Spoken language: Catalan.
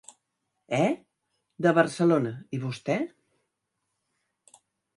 Eh? —De Barcelona, i vostè?